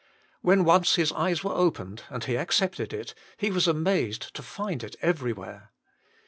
When once his eyes were opened, and he accepted it, he was amazed to find it everywhere.